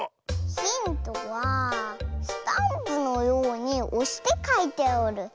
ヒントはスタンプのようにおしてかいておる。